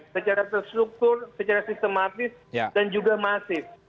secara terstruktur secara sistematis dan juga masif